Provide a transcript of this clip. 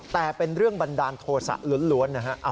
แต่เป็นเรื่องบันดาลโทษะล้วนนะฮะ